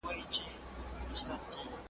هغه د خپل شعر له لارې د انسانانو زړونه فتح کړل.